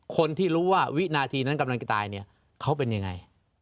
คนที่รู้ว่าวินาทีนั้นกำลังจะตายเนี่ยเขาเป็นยังไง